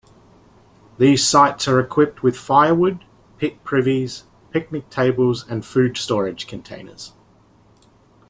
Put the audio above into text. These sites are equipped with firewood, pit privies, picnic tables and food storage containers.